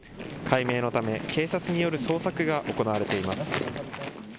解明のため警察による捜索が行われています。